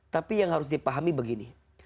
tapi yang harus dipahami begini